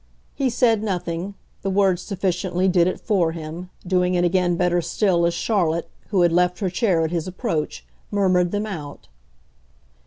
He said nothing the words sufficiently did it for him, doing it again better still as Charlotte, who had left her chair at his approach, murmured them out.